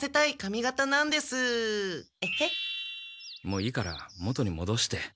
もういいから元にもどして。